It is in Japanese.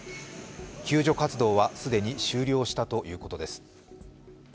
救助活動は既に終了したということです。